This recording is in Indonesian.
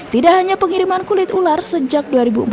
tidak hanya pengiriman kulit ular sejak dua ribu empat belas